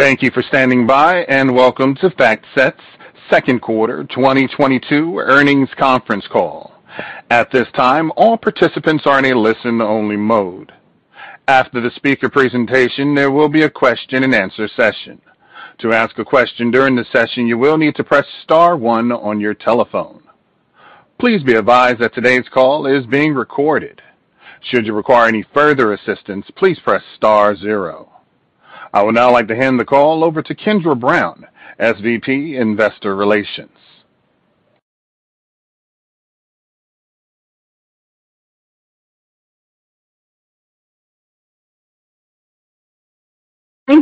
Thank you for standing by, and welcome to FactSet's Second Quarter 2022 Earnings Conference Call. At this time, all participants are in a listen-only mode. After the speaker presentation, there will be a question-and-answer session. To ask a question during the session, you will need to press star one on your telephone. Please be advised that today's call is being recorded. Should you require any further assistance, please press star zero. I would now like to hand the call over to Kendra Brown, SVP, Investor Relations.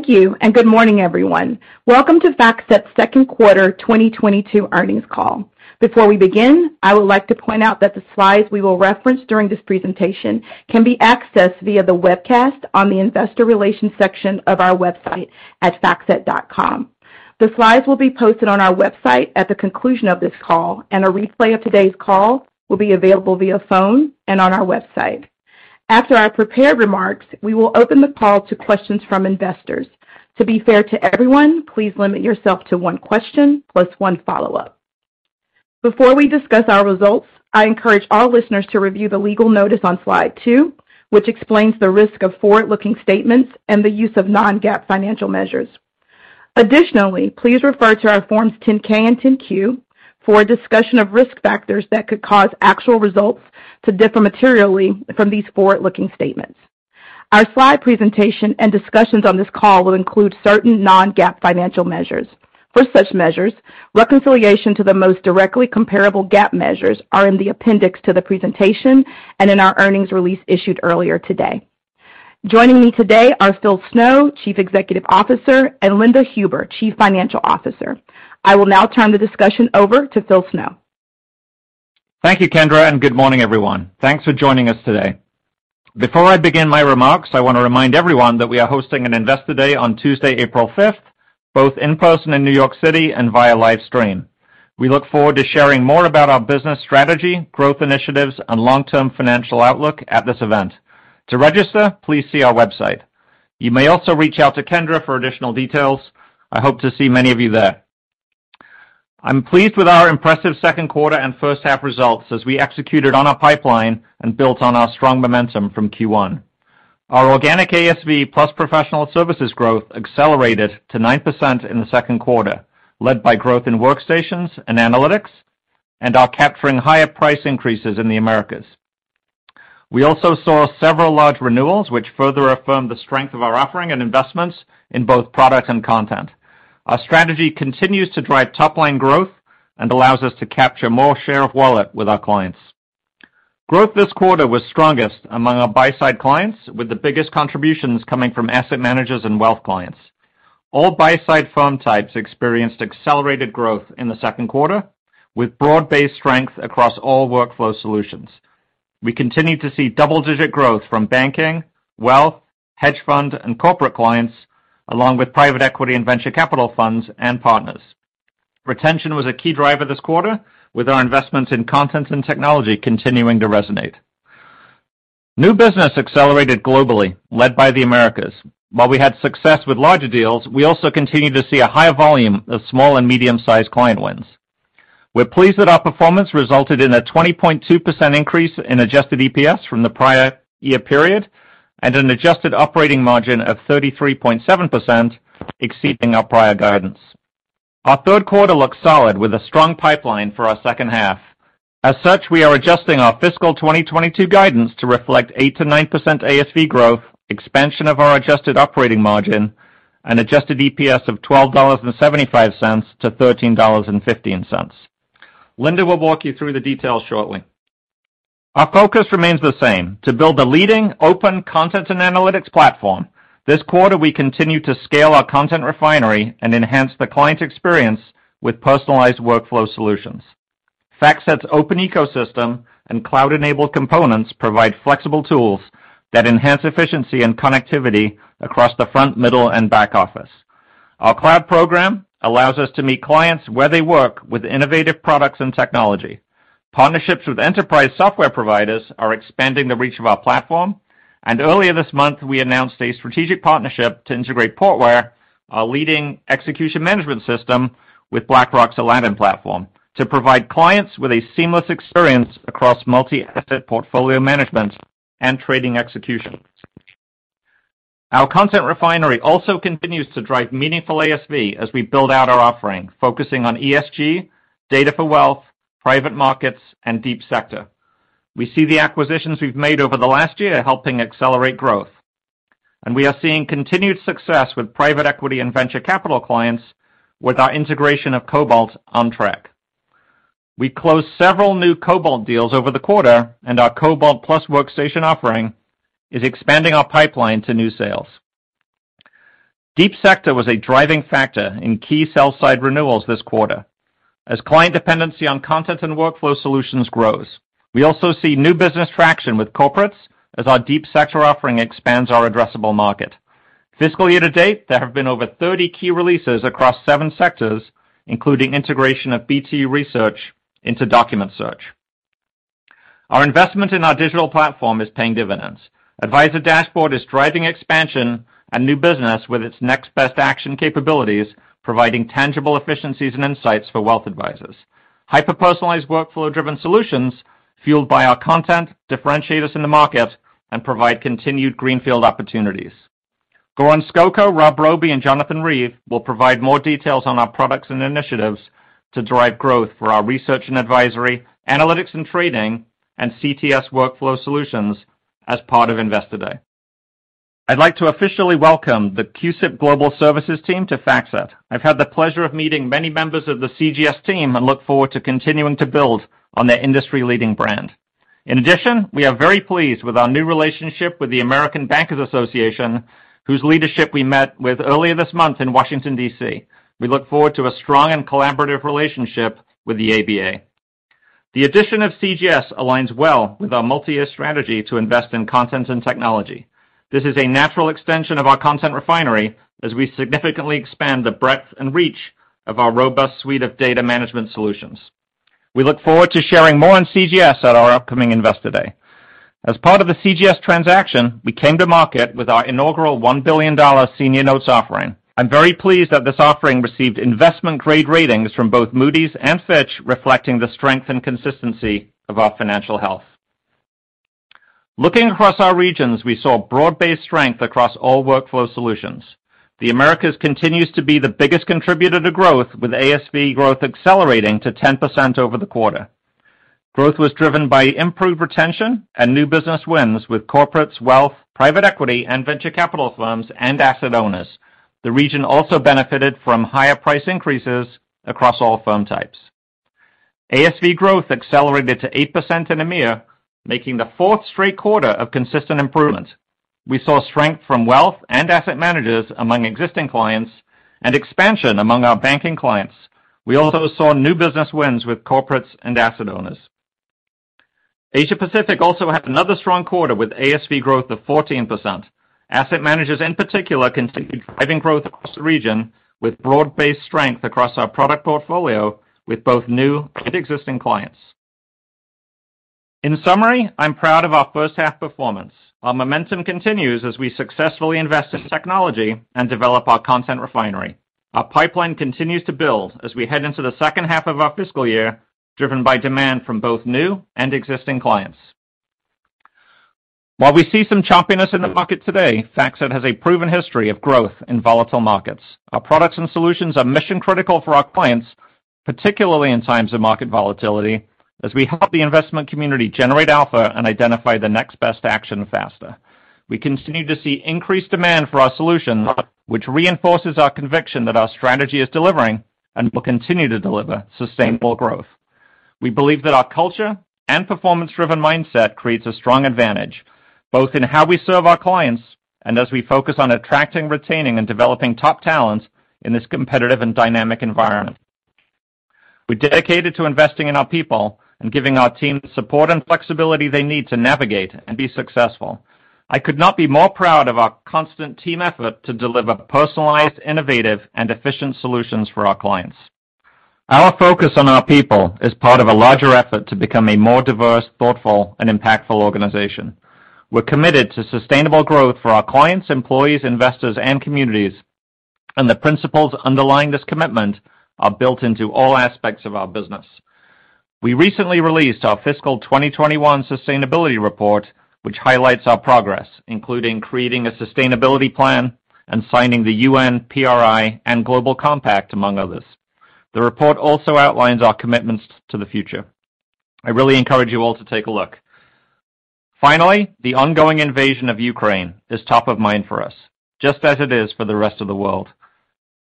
Thank you, and good morning, everyone. Welcome to FactSet's Second Quarter 2022 Earnings Call. Before we begin, I would like to point out that the slides we will reference during this presentation can be accessed via the webcast on the investor relations section of our website at factset.com. The slides will be posted on our website at the conclusion of this call, and a replay of today's call will be available via phone and on our website. After our prepared remarks, we will open the call to questions from investors. To be fair to everyone, please limit yourself to one question plus one follow-up. Before we discuss our results, I encourage all listeners to review the legal notice on slide two, which explains the risk of forward-looking statements and the use of non-GAAP financial measures. Additionally, please refer to our Form 10-K and 10-Q for a discussion of risk factors that could cause actual results to differ materially from these forward-looking statements. Our slide presentation and discussions on this call will include certain non-GAAP financial measures. For such measures, reconciliation to the most directly comparable GAAP measures are in the appendix to the presentation and in our earnings release issued earlier today. Joining me today are Phil Snow, Chief Executive Officer, and Linda Huber, Chief Financial Officer. I will now turn the discussion over to Phil Snow. Thank you, Kendra, and good morning, everyone. Thanks for joining us today. Before I begin my remarks, I want to remind everyone that we are hosting an Investor Day on Tuesday, April 5, both in person in New York City and via live stream. We look forward to sharing more about our business strategy, growth initiatives, and long-term financial outlook at this event. To register, please see our website. You may also reach out to Kendra for additional details. I hope to see many of you there. I'm pleased with our impressive second quarter and first half results as we executed on our pipeline and built on our strong momentum from Q1. Our organic ASV plus professional services growth accelerated to 9% in the second quarter, led by growth in workstations and analytics, and are capturing higher price increases in the Americas. We also saw several large renewals which further affirm the strength of our offering and investments in both product and content. Our strategy continues to drive top-line growth and allows us to capture more share of wallet with our clients. Growth this quarter was strongest among our buy-side clients, with the biggest contributions coming from asset managers and wealth clients. All buy-side firm types experienced accelerated growth in the second quarter, with broad-based strength across all workflow solutions. We continued to see double-digit growth from banking, wealth, hedge fund, and corporate clients, along with private equity and venture capital funds and partners. Retention was a key driver this quarter, with our investments in content and technology continuing to resonate. New business accelerated globally, led by the Americas. While we had success with larger deals, we also continued to see a high volume of small and medium-sized client wins. We're pleased that our performance resulted in a 20.2% increase in adjusted EPS from the prior year period, and an adjusted operating margin of 33.7%, exceeding our prior guidance. Our third quarter looks solid with a strong pipeline for our second half. As such, we are adjusting our fiscal 2022 guidance to reflect 8%-9% ASV growth, expansion of our adjusted operating margin, and adjusted EPS of $12.75-$13.15. Linda will walk you through the details shortly. Our focus remains the same, to build a leading open content and analytics platform. This quarter, we continued to scale our content refinery and enhance the client experience with personalized workflow solutions. FactSet's open ecosystem and cloud-enabled components provide flexible tools that enhance efficiency and connectivity across the front, middle, and back office. Our cloud program allows us to meet clients where they work with innovative products and technology. Partnerships with enterprise software providers are expanding the reach of our platform, and earlier this month, we announced a strategic partnership to integrate Portware, a leading execution management system, with BlackRock's Aladdin platform to provide clients with a seamless experience across multi-asset portfolio management and trading execution. Our content refinery also continues to drive meaningful ASV as we build out our offering, focusing on ESG, data for wealth, private markets, and Deep Sector. We see the acquisitions we've made over the last year helping accelerate growth, and we are seeing continued success with private equity and venture capital clients with our integration of Cobalt on track. We closed several new Cobalt deals over the quarter, and our Cobalt plus workstation offering is expanding our pipeline to new sales. Deep Sector was a driving factor in key sell-side renewals this quarter. As client dependency on content and workflow solutions grows, we also see new business traction with corporates as our Deep Sector offering expands our addressable market. Fiscal year to date, there have been over 30 key releases across seven sectors, including integration of BvD Research into document search. Our investment in our digital platform is paying dividends. Advisor Dashboard is driving expansion and new business with its next best action capabilities, providing tangible efficiencies and insights for wealth advisors. Hyper-personalized workflow-driven solutions fueled by our content differentiate us in the market and provide continued greenfield opportunities. Goran Skoko, Rob Robie, and Jonathan Reeve will provide more details on our products and initiatives to drive growth for our research and advisory, analytics and trading, and CTS workflow solutions as part of Investor Day. I'd like to officially welcome the CUSIP Global Services team to FactSet. I've had the pleasure of meeting many members of the CGS team and look forward to continuing to build on their industry-leading brand. In addition, we are very pleased with our new relationship with the American Bankers Association, whose leadership we met with earlier this month in Washington, D.C. We look forward to a strong and collaborative relationship with the ABA. The addition of CGS aligns well with our multi-year strategy to invest in content and technology. This is a natural extension of our content refinery as we significantly expand the breadth and reach of our robust suite of data management solutions. We look forward to sharing more on CGS at our upcoming Investor Day. As part of the CGS transaction, we came to market with our inaugural $1 billion senior notes offering. I'm very pleased that this offering received investment-grade ratings from both Moody's and Fitch, reflecting the strength and consistency of our financial health. Looking across our regions, we saw broad-based strength across all workflow solutions. The Americas continues to be the biggest contributor to growth, with ASV growth accelerating to 10% over the quarter. Growth was driven by improved retention and new business wins with corporates, wealth, private equity, and venture capital firms, and asset owners. The region also benefited from higher price increases across all firm types. ASV growth accelerated to 8% in EMEA, making the fourth straight quarter of consistent improvement. We saw strength from wealth and asset managers among existing clients, and expansion among our banking clients. We also saw new business wins with corporates and asset owners. Asia Pacific also had another strong quarter with ASV growth of 14%. Asset managers in particular continued driving growth across the region with broad-based strength across our product portfolio with both new and existing clients. In summary, I'm proud of our first half performance. Our momentum continues as we successfully invest in technology and develop our content refinery. Our pipeline continues to build as we head into the second half of our fiscal year, driven by demand from both new and existing clients. While we see some choppiness in the market today, FactSet has a proven history of growth in volatile markets. Our products and solutions are mission-critical for our clients, particularly in times of market volatility, as we help the investment community generate alpha and identify the next best action faster. We continue to see increased demand for our solutions, which reinforces our conviction that our strategy is delivering and will continue to deliver sustainable growth. We believe that our culture and performance-driven mindset creates a strong advantage both in how we serve our clients and as we focus on attracting, retaining, and developing top talent in this competitive and dynamic environment. We're dedicated to investing in our people and giving our team the support and flexibility they need to navigate and be successful. I could not be more proud of our constant team effort to deliver personalized, innovative, and efficient solutions for our clients. Our focus on our people is part of a larger effort to become a more diverse, thoughtful, and impactful organization. We're committed to sustainable growth for our clients, employees, investors, and communities, and the principles underlying this commitment are built into all aspects of our business. We recently released our fiscal 2021 sustainability report, which highlights our progress, including creating a sustainability plan and signing the UN PRI and UN Global Compact, among others. The report also outlines our commitments to the future. I really encourage you all to take a look. Finally, the ongoing invasion of Ukraine is top of mind for us, just as it is for the rest of the world.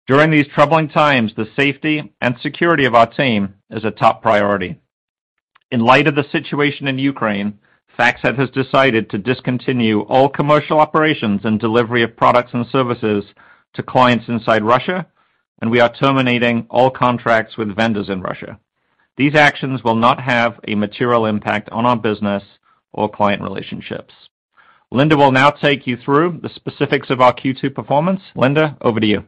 During these troubling times, the safety and security of our team is a top priority. In light of the situation in Ukraine, FactSet has decided to discontinue all commercial operations and delivery of products and services to clients inside Russia, and we are terminating all contracts with vendors in Russia. These actions will not have a material impact on our business or client relationships. Linda will now take you through the specifics of our Q2 performance. Linda, over to you.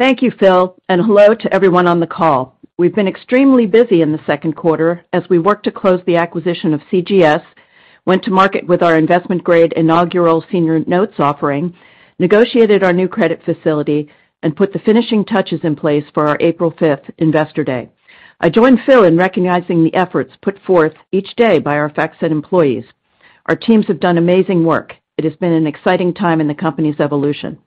Thank you, Phil, and hello to everyone on the call. We've been extremely busy in the second quarter as we work to close the acquisition of CGS, went to market with our investment-grade inaugural senior notes offering, negotiated our new credit facility, and put the finishing touches in place for our April 5 Investor Day. I join Phil in recognizing the efforts put forth each day by our FactSet employees. Our teams have done amazing work. It has been an exciting time in the company's evolution.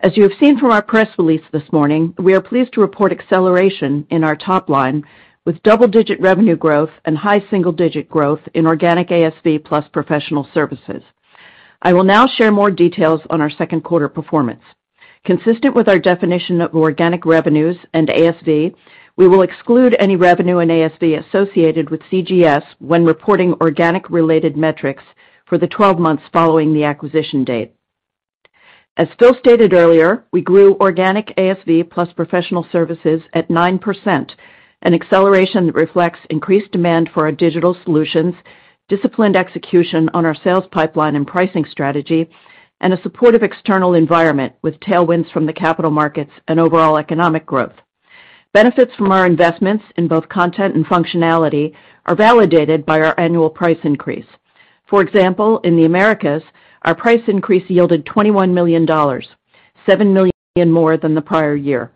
As you have seen from our press release this morning, we are pleased to report acceleration in our top line with double-digit revenue growth and high single-digit growth in organic ASV plus professional services. I will now share more details on our second quarter performance. Consistent with our definition of organic revenues and ASV, we will exclude any revenue and ASV associated with CGS when reporting organic-related metrics for the 12 months following the acquisition date. As Phil stated earlier, we grew organic ASV plus professional services at 9%, an acceleration that reflects increased demand for our digital solutions, disciplined execution on our sales pipeline and pricing strategy. A supportive external environment with tailwinds from the capital markets and overall economic growth. Benefits from our investments in both content and functionality are validated by our annual price increase. For example, in the Americas, our price increase yielded $21 million, $7 million more than the prior year.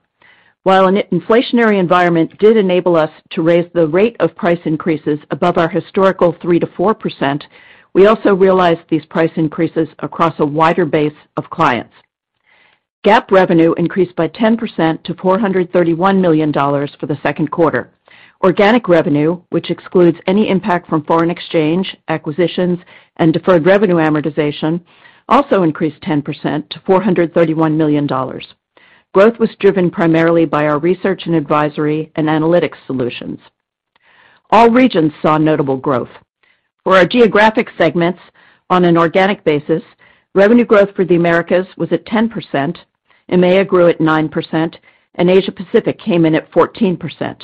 While an inflationary environment did enable us to raise the rate of price increases above our historical 3%-4%, we also realized these price increases across a wider base of clients. GAAP revenue increased by 10% to $431 million for the second quarter. Organic revenue, which excludes any impact from foreign exchange, acquisitions, and deferred revenue amortization, also increased 10% to $431 million. Growth was driven primarily by our research and advisory and analytics solutions. All regions saw notable growth. For our geographic segments, on an organic basis, revenue growth for the Americas was at 10%, EMEA grew at 9%, and Asia-Pacific came in at 14%.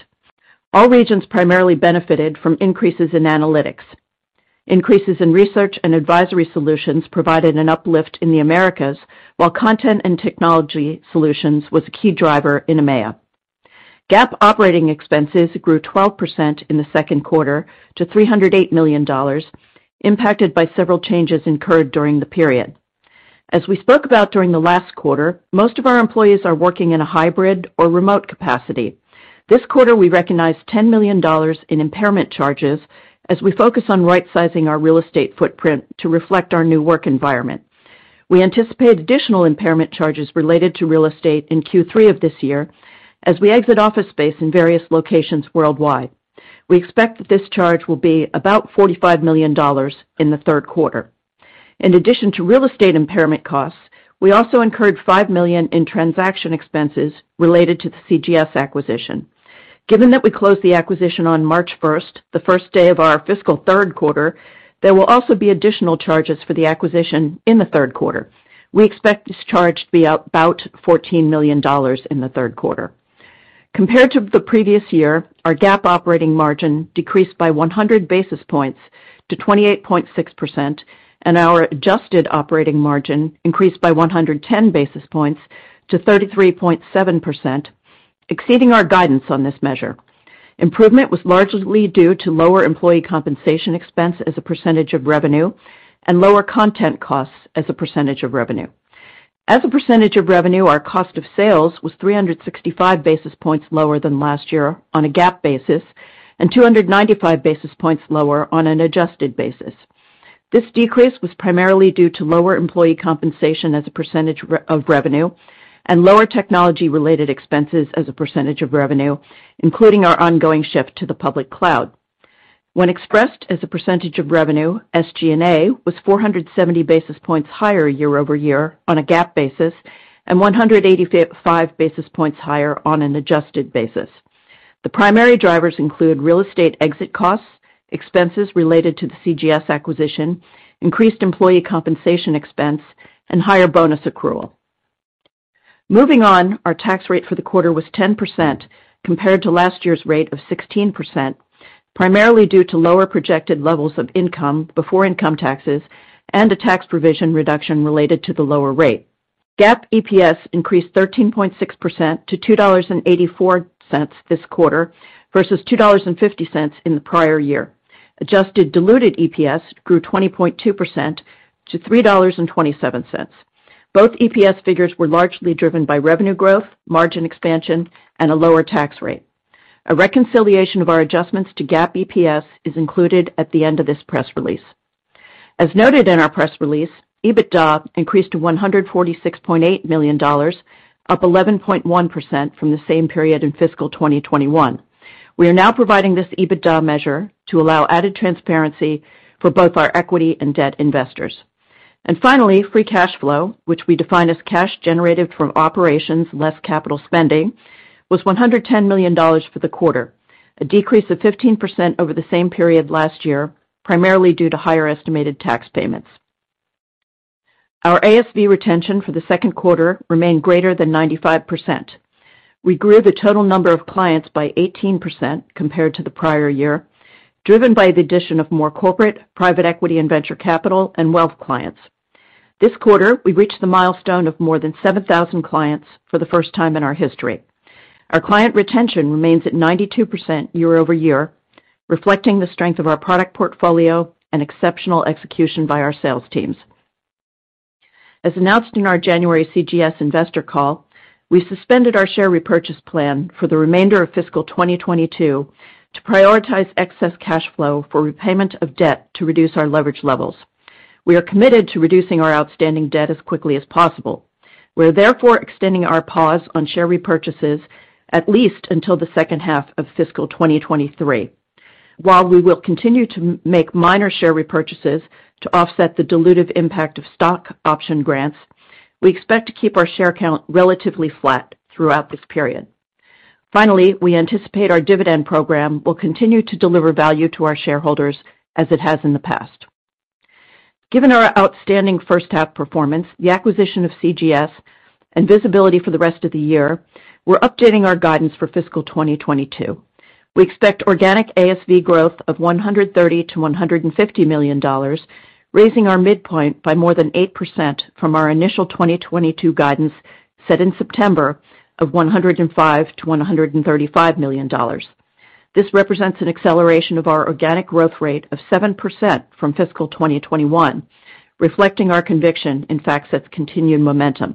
All regions primarily benefited from increases in analytics. Increases in research and advisory solutions provided an uplift in the Americas, while content and technology solutions was a key driver in EMEA. GAAP operating expenses grew 12% in the second quarter to $308 million, impacted by several changes incurred during the period. As we spoke about during the last quarter, most of our employees are working in a hybrid or remote capacity. This quarter, we recognized $10 million in impairment charges as we focus on rightsizing our real estate footprint to reflect our new work environment. We anticipate additional impairment charges related to real estate in Q3 of this year as we exit office space in various locations worldwide. We expect that this charge will be about $45 million in the third quarter. In addition to real estate impairment costs, we also incurred $5 million in transaction expenses related to the CGS acquisition. Given that we closed the acquisition on March 1, the first day of our fiscal third quarter, there will also be additional charges for the acquisition in the third quarter. We expect this charge to be about $14 million in the third quarter. Compared to the previous year, our GAAP operating margin decreased by 100 basis points to 28.6%, and our adjusted operating margin increased by 110 basis points to 33.7%, exceeding our guidance on this measure. Improvement was largely due to lower employee compensation expense as a percentage of revenue and lower content costs as a percentage of revenue. As a percentage of revenue, our cost of sales was 365 basis points lower than last year on a GAAP basis, and 295 basis points lower on an adjusted basis. This decrease was primarily due to lower employee compensation as a percentage of revenue and lower technology-related expenses as a percentage of revenue, including our ongoing shift to the public cloud. When expressed as a percentage of revenue, SG&A was 470 basis points higher year-over-year on a GAAP basis and 185 basis points higher on an adjusted basis. The primary drivers include real estate exit costs, expenses related to the CGS acquisition, increased employee compensation expense, and higher bonus accrual. Moving on, our tax rate for the quarter was 10% compared to last year's rate of 16%, primarily due to lower projected levels of income before income taxes and a tax provision reduction related to the lower rate. GAAP EPS increased 13.6% to $2.84 this quarter versus $2.50 in the prior year. Adjusted diluted EPS grew 20.2% to $3.27. Both EPS figures were largely driven by revenue growth, margin expansion, and a lower tax rate. A reconciliation of our adjustments to GAAP EPS is included at the end of this press release. As noted in our press release, EBITDA increased to $146.8 million, up 11.1% from the same period in fiscal 2021. We are now providing this EBITDA measure to allow added transparency for both our equity and debt investors. Finally, free cash flow, which we define as cash generated from operations less capital spending, was $110 million for the quarter, a decrease of 15% over the same period last year, primarily due to higher estimated tax payments. Our ASV retention for the second quarter remained greater than 95%. We grew the total number of clients by 18% compared to the prior year, driven by the addition of more corporate, private equity and venture capital, and wealth clients. This quarter, we reached the milestone of more than 7,000 clients for the first time in our history. Our client retention remains at 92% year-over-year, reflecting the strength of our product portfolio and exceptional execution by our sales teams. As announced in our January CGS investor call, we suspended our share repurchase plan for the remainder of fiscal 2022 to prioritize excess cash flow for repayment of debt to reduce our leverage levels. We are committed to reducing our outstanding debt as quickly as possible. We're therefore extending our pause on share repurchases at least until the second half of fiscal 2023. While we will continue to make minor share repurchases to offset the dilutive impact of stock option grants, we expect to keep our share count relatively flat throughout this period. Finally, we anticipate our dividend program will continue to deliver value to our shareholders as it has in the past. Given our outstanding first half performance, the acquisition of CGS and visibility for the rest of the year, we're updating our guidance for fiscal 2022. We expect organic ASV growth of $130 million-$150 million, raising our midpoint by more than 8% from our initial 2022 guidance set in September of $105 million-$135 million. This represents an acceleration of our organic growth rate of 7% from fiscal 2021, reflecting our conviction in FactSet's continued momentum.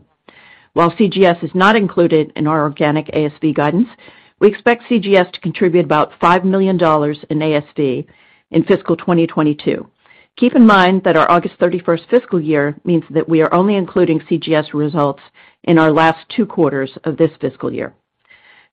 While CGS is not included in our organic ASV guidance, we expect CGS to contribute about $5 million in ASV in fiscal 2022. Keep in mind that our August 31 fiscal year means that we are only including CGS results in our last two quarters of this fiscal year.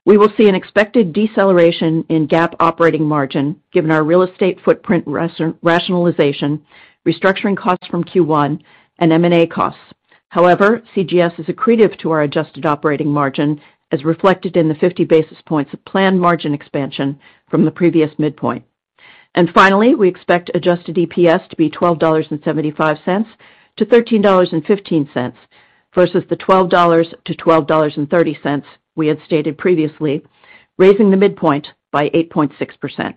We will see an expected deceleration in GAAP operating margin given our real estate footprint rationalization, restructuring costs from Q1, and M&A costs. However, CGS is accretive to our adjusted operating margin as reflected in the 50 basis points of planned margin expansion from the previous midpoint. Finally, we expect adjusted EPS to be $12.75-$13.15 versus the $12-$12.30 we had stated previously, raising the midpoint by 8.6%.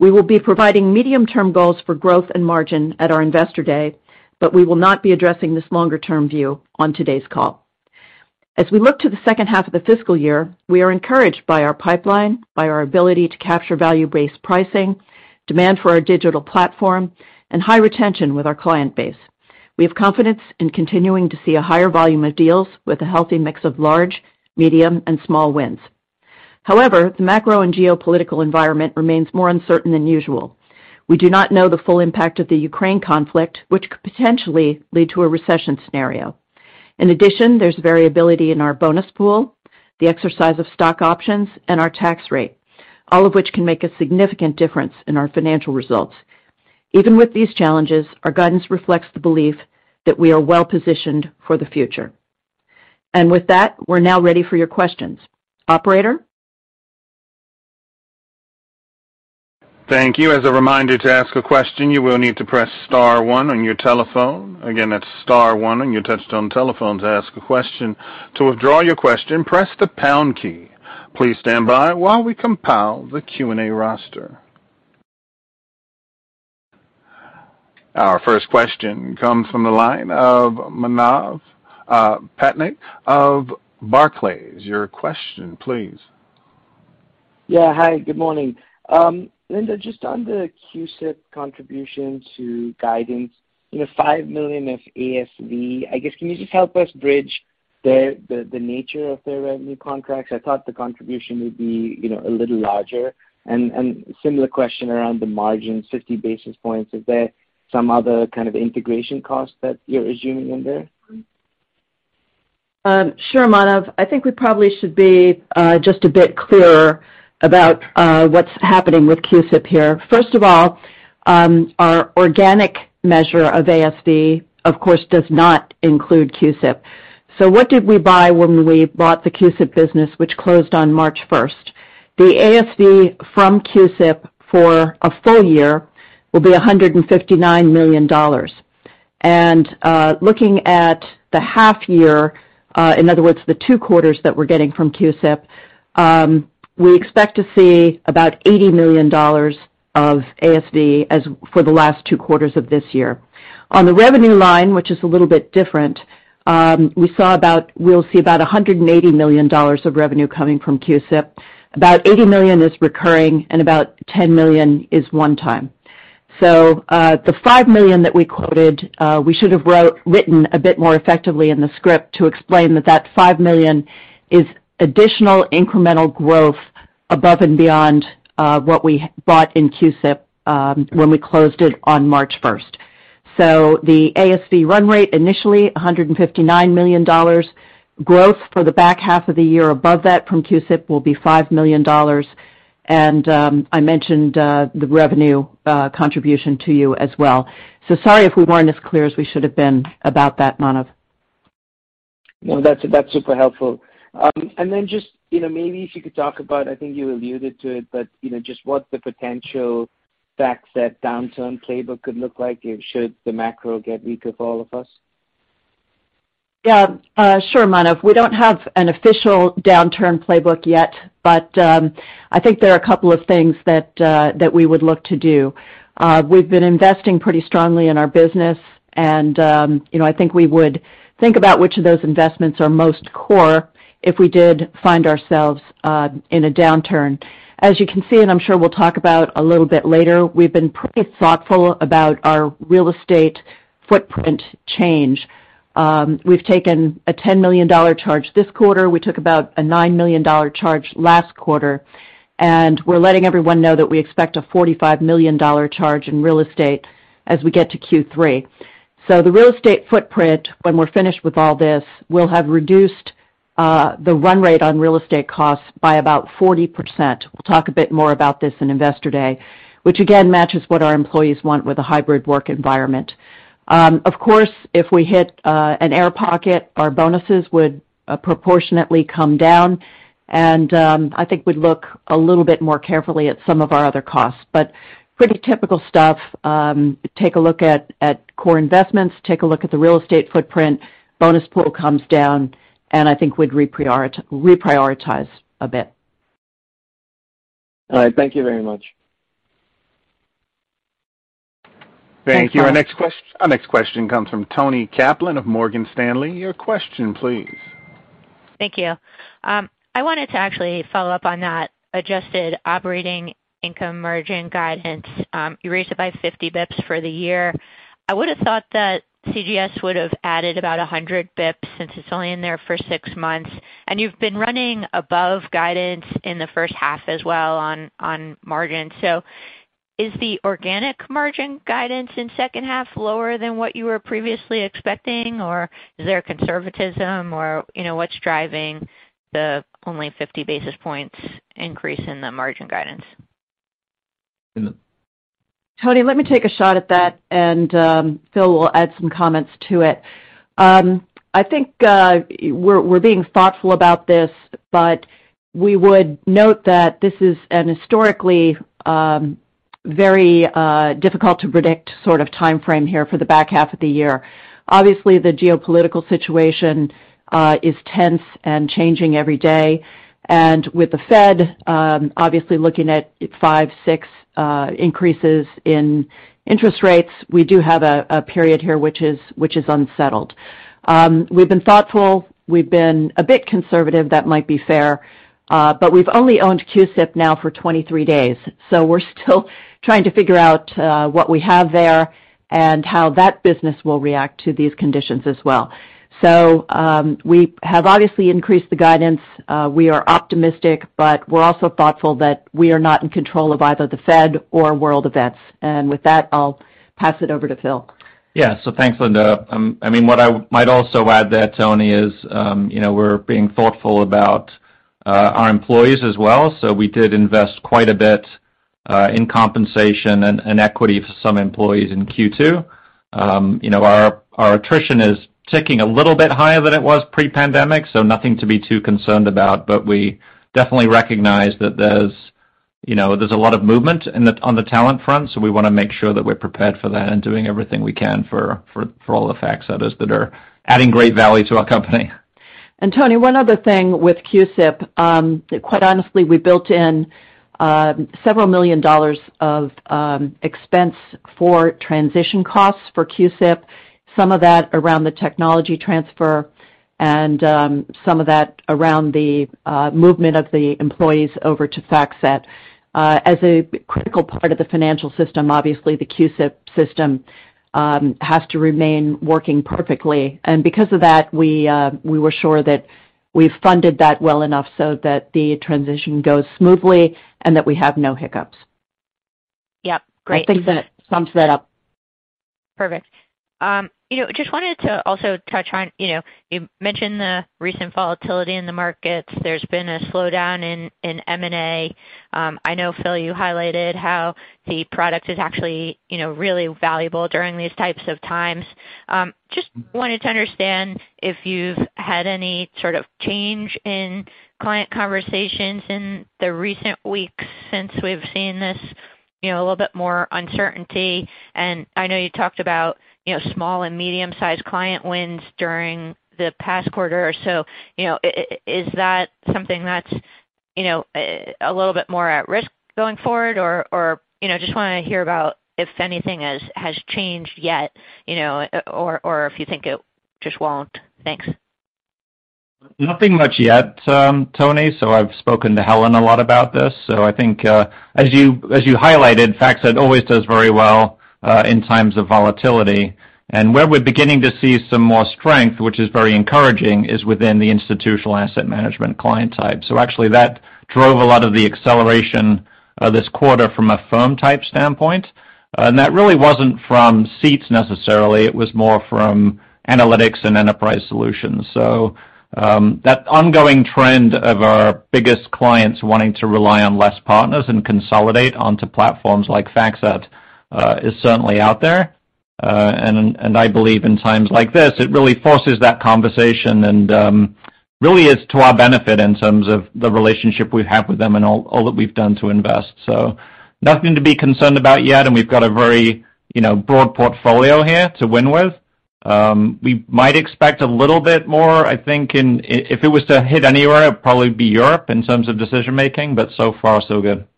We will be providing medium-term goals for growth and margin at our Investor Day, but we will not be addressing this longer-term view on today's call. As we look to the second half of the fiscal year, we are encouraged by our pipeline, by our ability to capture value-based pricing, demand for our digital platform, and high retention with our client base. We have confidence in continuing to see a higher volume of deals with a healthy mix of large, medium, and small wins. However, the macro and geopolitical environment remains more uncertain than usual. We do not know the full impact of the Ukraine conflict, which could potentially lead to a recession scenario. In addition, there's variability in our bonus pool, the exercise of stock options, and our tax rate, all of which can make a significant difference in our financial results. Even with these challenges, our guidance reflects the belief that we are well-positioned for the future. With that, we're now ready for your questions. Operator? Thank you. As a reminder, to ask a question, you will need to press star one on your telephone. Again, that's star one on your touch-tone telephone to ask a question. To withdraw your question, press the pound key. Please stand by while we compile the Q&A roster. Our first question comes from the line of Manav Patnaik of Barclays. Your question, please. Yeah. Hi, good morning. Linda, just on the CUSIP contribution to guidance, you know, 5 million of ASV, I guess, can you just help us bridge the nature of their revenue contracts? I thought the contribution would be, you know, a little larger. Similar question around the margin, 50 basis points. Is there some other kind of integration costs that you're assuming in there? Sure, Manav. I think we probably should be just a bit clearer about what's happening with CUSIP here. First of all, our organic measure of ASV, of course, does not include CUSIP. What did we buy when we bought the CUSIP business, which closed on March 1? The ASV from CUSIP for a full year will be $159 million. Looking at the half year, in other words, the two quarters that we're getting from CUSIP, we expect to see about $80 million of ASV for the last two quarters of this year. On the revenue line, which is a little bit different, we'll see about $180 million of revenue coming from CUSIP. About $80 million is recurring, and about $10 million is one time. The five million that we quoted, we should have written a bit more effectively in the script to explain that that five million is additional incremental growth above and beyond what we bought in CUSIP, when we closed it on March 1. The ASV run rate initially, $159 million. Growth for the back half of the year above that from CUSIP will be $5 million. I mentioned the revenue contribution to you as well. Sorry if we weren't as clear as we should have been about that, Manav. No, that's super helpful. Just, you know, maybe if you could talk about I think you alluded to it, but, you know, just what the potential FactSet downturn playbook could look like if should the macro get weaker for all of us. Yeah, sure, Manav. We don't have an official downturn playbook yet, but I think there are a couple of things that we would look to do. We've been investing pretty strongly in our business, and you know, I think we would think about which of those investments are most core if we did find ourselves in a downturn. As you can see, and I'm sure we'll talk about a little bit later, we've been pretty thoughtful about our real estate footprint change. We've taken a $10 million charge this quarter. We took about a $9 million charge last quarter, and we're letting everyone know that we expect a $45 million charge in real estate as we get to Q3. The real estate footprint, when we're finished with all this, will have reduced the run rate on real estate costs by about 40%. We'll talk a bit more about this in Investor Day, which again matches what our employees want with a hybrid work environment. Of course, if we hit an air pocket, our bonuses would proportionately come down. I think we'd look a little bit more carefully at some of our other costs. Pretty typical stuff, take a look at core investments, take a look at the real estate footprint, bonus pool comes down, and I think we'd reprioritize a bit. All right. Thank you very much. Thanks. Thank you. Our next question comes from Toni Kaplan of Morgan Stanley. Your question please. Thank you. I wanted to actually follow up on that adjusted operating income margin guidance. You raised it by 50 basis points for the year. I would've thought that CGS would've added about 100 basis points since it's only in there for six months, and you've been running above guidance in the first half as well on margin. Is the organic margin guidance in second half lower than what you were previously expecting, or is there a conservatism or, you know, what's driving the only 50 basis points increase in the margin guidance? Toni, let me take a shot at that, and Phil will add some comments to it. I think we're being thoughtful about this, but we would note that this is an historically very difficult to predict sort of timeframe here for the back half of the year. Obviously, the geopolitical situation is tense and changing every day. With the Fed obviously looking at five, six increases in interest rates, we do have a period here which is unsettled. We've been thoughtful. We've been a bit conservative, that might be fair, but we've only owned CUSIP now for 23 days, so we're still trying to figure out what we have there and how that business will react to these conditions as well. We have obviously increased the guidance. We are optimistic, but we're also thoughtful that we are not in control of either the Fed or world events. With that, I'll pass it over to Phil. Yeah. Thanks, Linda. I mean, what I might also add there, Toni, is, you know, we're being thoughtful about our employees as well. We did invest quite a bit in compensation and equity for some employees in Q2. You know, our attrition is ticking a little bit higher than it was pre-pandemic, so nothing to be too concerned about. We definitely recognize that there's, you know, there's a lot of movement on the talent front, so we wanna make sure that we're prepared for that and doing everything we can for all the FactSetters that are adding great value to our company. Toni, one other thing with CUSIP, quite honestly, we built in several million dollars of expense for transition costs for CUSIP, some of that around the technology transfer and some of that around the movement of the employees over to FactSet. As a critical part of the financial system, obviously the CUSIP system has to remain working perfectly. Because of that, we were sure that we funded that well enough so that the transition goes smoothly and that we have no hiccups. Yep, great. I think that sums that up. Perfect. You know, just wanted to also touch on, you know, you mentioned the recent volatility in the markets. There's been a slowdown in M&A. I know, Phil, you highlighted how the product is actually, you know, really valuable during these types of times. Just wanted to understand if you've had any sort of change in client conversations in the recent weeks since we've seen this, you know, a little bit more uncertainty. I know you talked about, you know, small and medium-sized client wins during the past quarter or so. You know, is that something that's, you know, a little bit more at risk going forward, or, you know, just wanna hear about if anything has changed yet, you know, or if you think it just won't. Thanks. Nothing much yet, Toni. I've spoken to Helen a lot about this. I think, as you highlighted, FactSet always does very well in times of volatility. Where we're beginning to see some more strength, which is very encouraging, is within the institutional asset management client type. Actually that drove a lot of the acceleration of this quarter from a firm type standpoint. That really wasn't from seats necessarily, it was more from analytics and enterprise solutions. That ongoing trend of our biggest clients wanting to rely on less partners and consolidate onto platforms like FactSet is certainly out there. I believe in times like this, it really forces that conversation and really is to our benefit in terms of the relationship we have with them and all that we've done to invest. Nothing to be concerned about yet, and we've got a very, you know, broad portfolio here to win with. We might expect a little bit more, I think. If it was to hit anywhere, it'd probably be Europe in terms of decision-making, but so far so good. Perfect.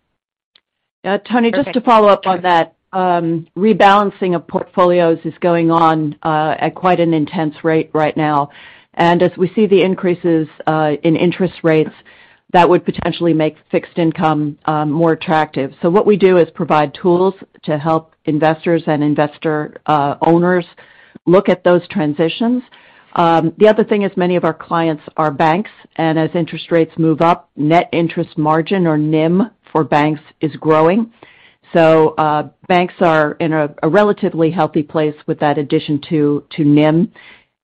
Yeah, Toni, just to follow up on that. Rebalancing of portfolios is going on at quite an intense rate right now. As we see the increases in interest rates, that would potentially make fixed income more attractive. What we do is provide tools to help investors and investor owners look at those transitions. The other thing is many of our clients are banks, and as interest rates move up, net interest margin, or NIM, for banks is growing. Banks are in a relatively healthy place with that addition to NIM.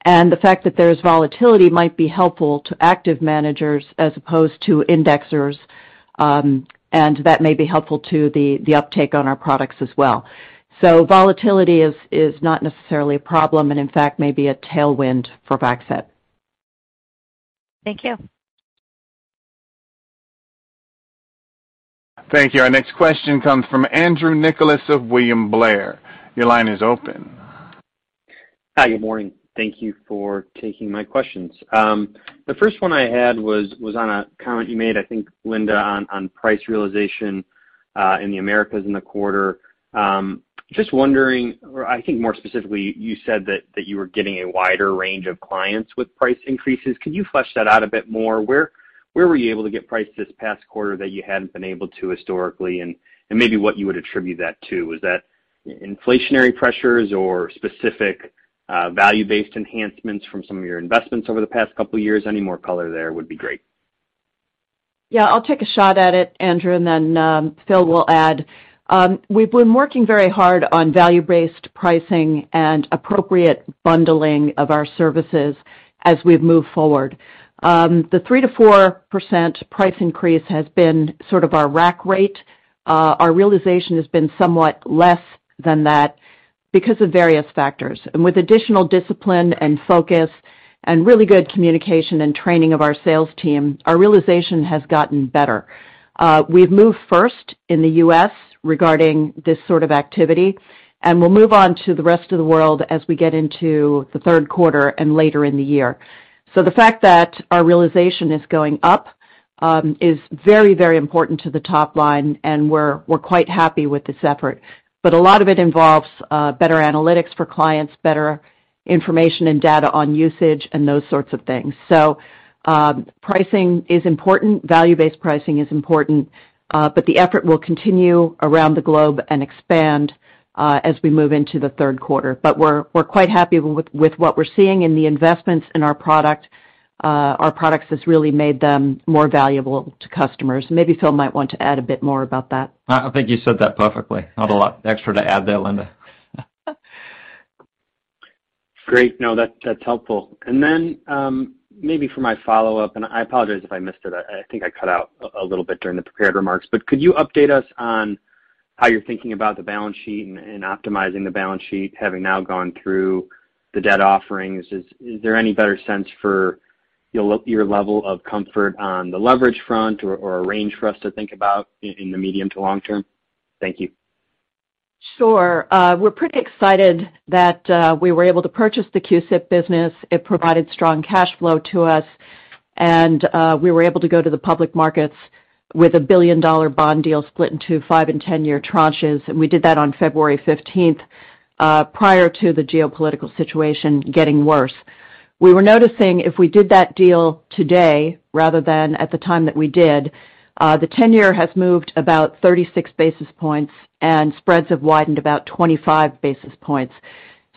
The fact that there's volatility might be helpful to active managers as opposed to indexers, and that may be helpful to the uptake on our products as well. Volatility is not necessarily a problem, and in fact, may be a tailwind for FactSet. Thank you. Thank you. Our next question comes from Andrew Nicholas of William Blair. Your line is open. Hi, good morning. Thank you for taking my questions. The first one I had was on a comment you made, I think, Linda, on price realization in the Americas in the quarter. Just wondering, I think more specifically, you said that you were getting a wider range of clients with price increases. Could you flesh that out a bit more? Where were you able to get price this past quarter that you hadn't been able to historically? And maybe what you would attribute that to, was that inflationary pressures or specific value-based enhancements from some of your investments over the past couple years? Any more color there would be great. Yeah. I'll take a shot at it, Andrew, and then, Phil will add. We've been working very hard on value-based pricing and appropriate bundling of our services as we've moved forward. The 3%-4% price increase has been sort of our rack rate. Our realization has been somewhat less than that because of various factors. With additional discipline and focus, and really good communication and training of our sales team, our realization has gotten better. We've moved first in the U.S. regarding this sort of activity, and we'll move on to the rest of the world as we get into the third quarter and later in the year. The fact that our realization is going up is very, very important to the top line, and we're quite happy with this effort. A lot of it involves better analytics for clients, better information and data on usage and those sorts of things. Pricing is important, value-based pricing is important, but the effort will continue around the globe and expand as we move into the third quarter. We're quite happy with what we're seeing in the investments in our product, our products has really made them more valuable to customers. Maybe Phil might want to add a bit more about that. I think you said that perfectly. Not a lot extra to add there, Linda. Great. No, that's helpful. Maybe for my follow-up, and I apologize if I missed it. I think I cut out a little bit during the prepared remarks. Could you update us on how you're thinking about the balance sheet and optimizing the balance sheet, having now gone through the debt offerings? Is there any better sense for your level of comfort on the leverage front or a range for us to think about in the medium to long term? Thank you. Sure. We're pretty excited that we were able to purchase the CUSIP business. It provided strong cash flow to us, and we were able to go to the public markets with a billion-dollar bond deal split into 5- and 10-year tranches, and we did that on February fifteenth prior to the geopolitical situation getting worse. We were noticing if we did that deal today rather than at the time that we did, the ten-year has moved about 36 basis points and spreads have widened about 25 basis points.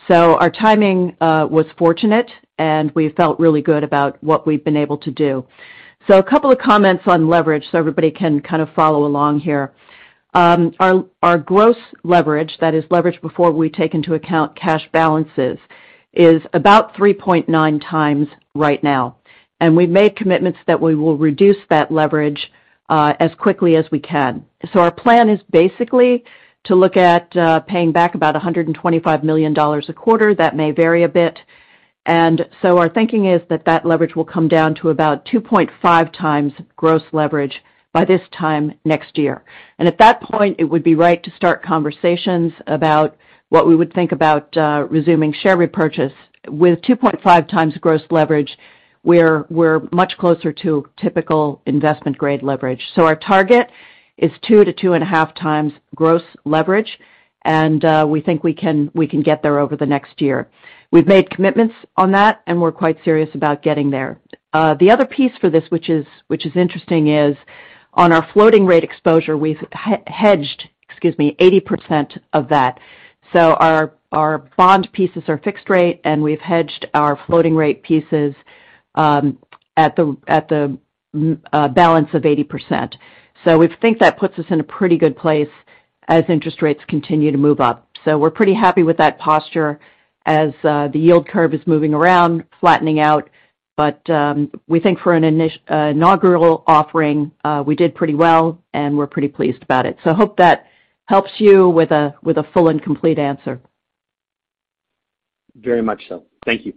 Our timing was fortunate, and we felt really good about what we've been able to do. A couple of comments on leverage so everybody can kind of follow along here. Our gross leverage, that is leverage before we take into account cash balances, is about 3.9 times right now. We've made commitments that we will reduce that leverage as quickly as we can. Our plan is basically to look at paying back about $125 million a quarter. That may vary a bit. Our thinking is that that leverage will come down to about 2.5 times gross leverage by this time next year. At that point, it would be right to start conversations about what we would think about resuming share repurchase. With 2.5 times gross leverage, we're much closer to typical investment-grade leverage. Our target is 2 to 2.5 times gross leverage, and we think we can get there over the next year. We've made commitments on that, and we're quite serious about getting there. The other piece for this, which is interesting, is on our floating rate exposure. We've hedged, excuse me, 80% of that. Our bond pieces are fixed rate, and we've hedged our floating rate pieces at the balance of 80%. We think that puts us in a pretty good place as interest rates continue to move up. We're pretty happy with that posture as the yield curve is moving around, flattening out. We think for an inaugural offering, we did pretty well, and we're pretty pleased about it. I hope that helps you with a full and complete answer. Very much so. Thank you.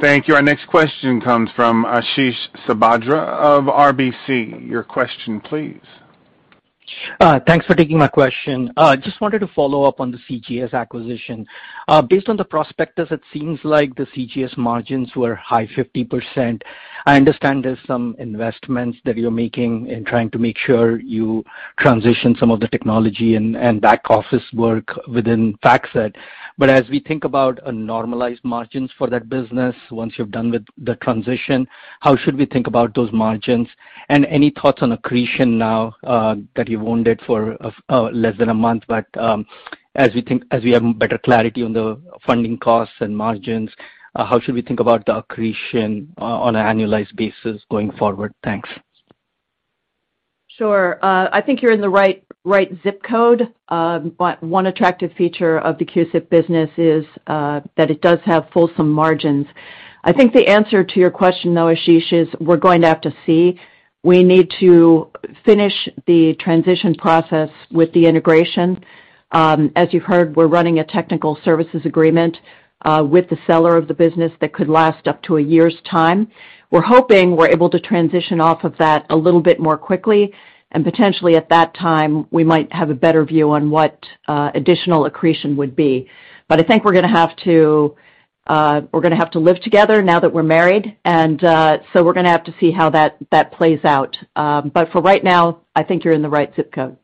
Thank you. Our next question comes from Ashish Sabadra of RBC. Your question please. Thanks for taking my question. Just wanted to follow up on the CGS acquisition. Based on the prospectus, it seems like the CGS margins were high 50%. I understand there's some investments that you're making in trying to make sure you transition some of the technology and back office work within FactSet. As we think about a normalized margins for that business once you're done with the transition, how should we think about those margins? Any thoughts on accretion now that you've owned it for less than a month, but as we have better clarity on the funding costs and margins, how should we think about the accretion on an annualized basis going forward? Thanks. Sure. I think you're in the right zip code. One attractive feature of the CUSIP business is that it does have fulsome margins. I think the answer to your question, though, Ashish, is we're going to have to see. We need to finish the transition process with the integration. As you've heard, we're running a technical services agreement with the seller of the business that could last up to a year's time. We're hoping we're able to transition off of that a little bit more quickly. Potentially at that time, we might have a better view on what additional accretion would be. I think we're gonna have to live together now that we're married, and so we're gonna have to see how that plays out. For right now, I think you're in the right zip code.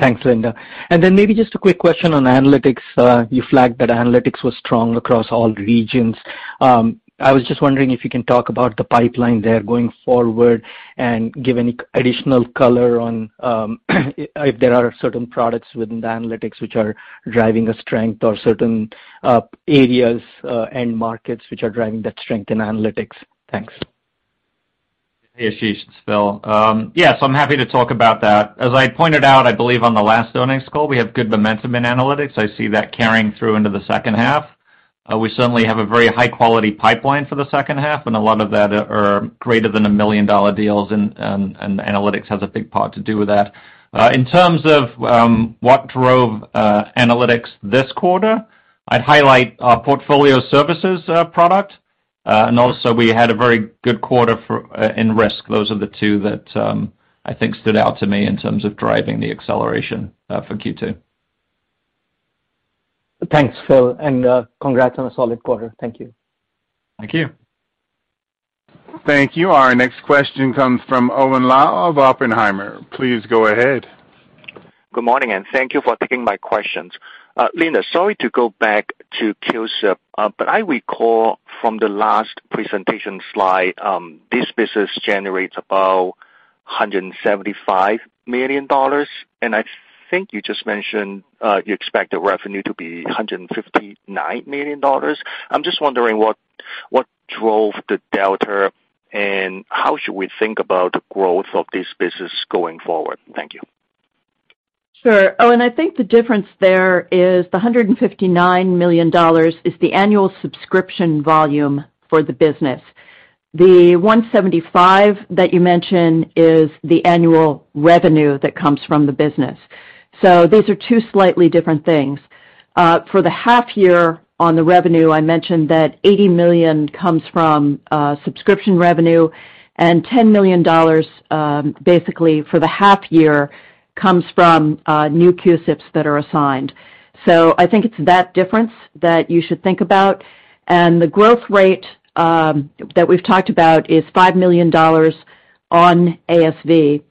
Thanks, Linda. Maybe just a quick question on analytics. You flagged that analytics was strong across all regions. I was just wondering if you can talk about the pipeline there going forward and give any additional color on if there are certain products within the analytics which are driving the strength or certain areas, end markets which are driving that strength in analytics. Thanks. Hey, Ashish. It's Phil. Yes, I'm happy to talk about that. As I pointed out, I believe on the last earnings call, we have good momentum in Analytics. I see that carrying through into the second half. We certainly have a very high-quality pipeline for the second half, and a lot of that are greater than $1 million deals, and Analytics has a big part to do with that. In terms of what drove Analytics this quarter, I'd highlight our Portfolio Services product. And also we had a very good quarter for in Risk. Those are the two that I think stood out to me in terms of driving the acceleration for Q2. Thanks, Phil, and congrats on a solid quarter. Thank you. Thank you. Thank you. Our next question comes from Owen Lau of Oppenheimer. Please go ahead. Good morning, and thank you for taking my questions. Linda, sorry to go back to CUSIP. But I recall from the last presentation slide, this business generates about $175 million. I think you just mentioned you expect the revenue to be $159 million. I'm just wondering what drove the delta, and how should we think about growth of this business going forward? Thank you. Sure. Owen, I think the difference there is the $159 million is the annual subscription volume for the business. The $175 that you mentioned is the annual revenue that comes from the business. These are two slightly different things. For the half year on the revenue, I mentioned that $80 million comes from subscription revenue and $10 million basically for the half year comes from new CUSIPs that are assigned. I think it's that difference that you should think about. The growth rate that we've talked about is $5 million on ASV,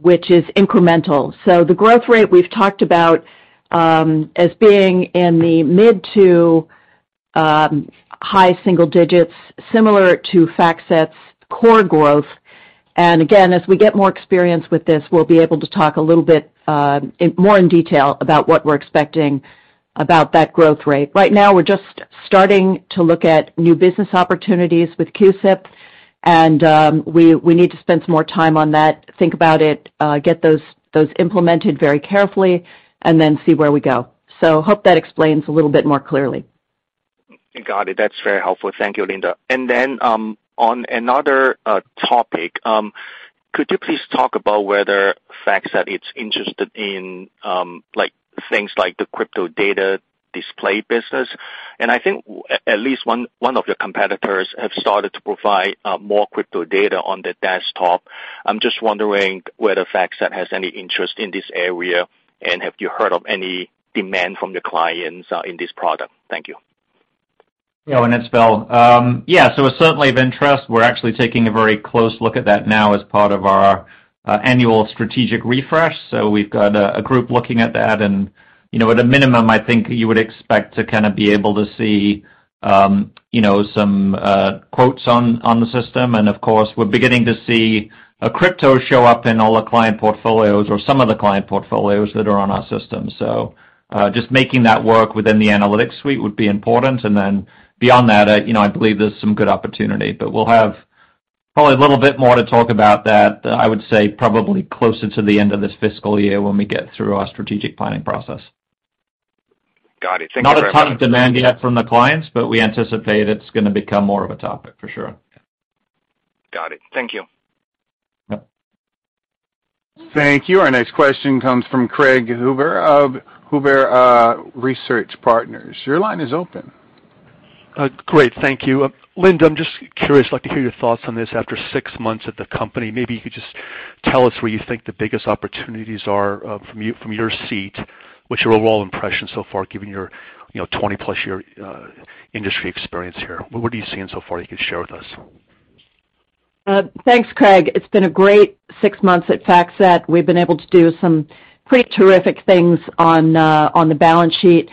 which is incremental. The growth rate we've talked about as being in the mid- to high-single digits, similar to FactSet's core growth. Again, as we get more experience with this, we'll be able to talk a little bit more in detail about what we're expecting about that growth rate. Right now, we're just starting to look at new business opportunities with CUSIP, and we need to spend some more time on that, think about it, get those implemented very carefully and then see where we go. Hope that explains a little bit more clearly. Got it. That's very helpful. Thank you, Linda. On another topic, could you please talk about whether FactSet is interested in, like, things like the crypto data display business? I think at least one of your competitors have started to provide more crypto data on the desktop. I'm just wondering whether FactSet has any interest in this area, and have you heard of any demand from your clients in this product? Thank you. Yeah, Owen. It's Phil. Yeah, so it's certainly of interest. We're actually taking a very close look at that now as part of our annual strategic refresh. We've got a group looking at that. You know, at a minimum, I think you would expect to kind of be able to see you know, some quotes on the system. Of course, we're beginning to see crypto show up in all the client portfolios or some of the client portfolios that are on our system. Just making that work within the analytics suite would be important. Then beyond that, you know, I believe there's some good opportunity. We'll have probably a little bit more to talk about that, I would say, probably closer to the end of this fiscal year when we get through our strategic planning process. Got it. Thank you very much. Not a ton of demand yet from the clients, but we anticipate it's gonna become more of a topic for sure. Got it. Thank you. Yep. Thank you. Our next question comes from Craig Huber of Huber Research Partners. Your line is open. Great. Thank you. Linda, I'm just curious, I'd like to hear your thoughts on this. After six months at the company, maybe you could just tell us where you think the biggest opportunities are, from you, from your seat, what's your overall impression so far, given your, you know, 20-plus year industry experience here? What are you seeing so far you can share with us? Thanks, Craig. It's been a great six months at FactSet. We've been able to do some pretty terrific things on the balance sheet.